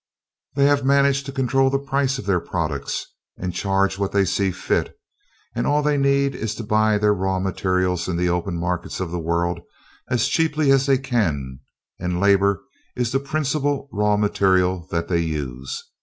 They have managed to control the price of their products, and charge what they see fit and all they need is to buy their raw material in the open markets of the world as cheaply as they can, and labor is the principal raw material that they use.